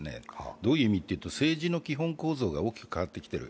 どういう意味かというと政治の基本構造が大きく変わってきている。